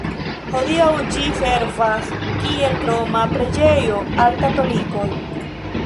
Hodiaŭ ĝi servas kiel kroma preĝejo al katolikoj.